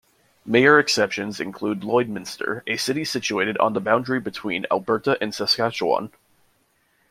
Major exceptions include Lloydminster, a city situated on the boundary between Alberta and Saskatchewan.